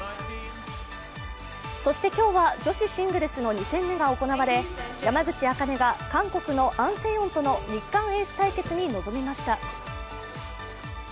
そして今日は女子シングルスの２戦目が行われ山口茜が韓国のアン・セヨンとの日韓エース対決に臨みました。